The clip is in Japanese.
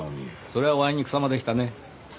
それはおあいにくさまでしたね。